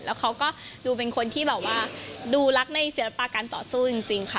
แล้วเขาก็ดูเป็นคนที่แบบว่าดูรักในศิลปะการต่อสู้จริงค่ะ